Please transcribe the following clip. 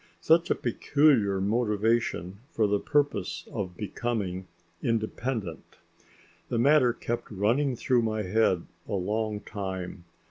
Such a peculiar motivation for the purpose of becoming independent. The matter kept running through my head a long time.